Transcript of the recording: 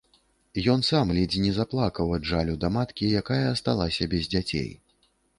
Ён сам ледзь не заплакаў ад жалю да маткі, якая асталася без дзяцей.